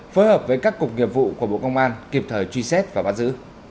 phối hợp với các cục nghiệp vụ của bộ công an kịp thời truy xét và bắt giữ